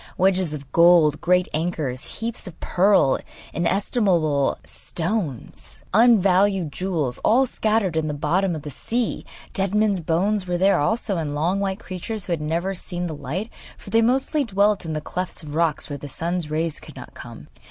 Wedges of gold, great anchors, heaps of pearl, inestimable stones, unvalued jewels all scattered in the bottom of the sea! Dead men's bones were there also, and long white creatures who had never seen the light, for they mostly dwelt in the clefts of rocks where the sun's rays could not come.